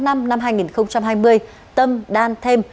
năm hai nghìn hai mươi tâm đan thêm